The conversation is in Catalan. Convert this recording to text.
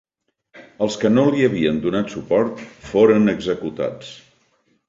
Els que no li havien donat suport foren executats.